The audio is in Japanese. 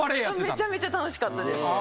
めちゃめちゃ楽しかったです。